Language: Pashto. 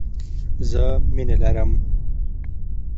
زه مینه لرم.